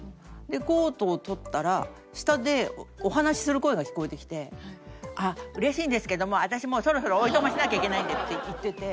コートを取ったら下でお話しする声が聞こえてきて「嬉しいんですけども私もうそろそろお暇しなきゃいけないんで」って言ってて。